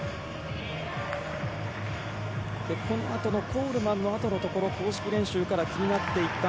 このあとのコールマンのあとのところ公式練習から気になっていた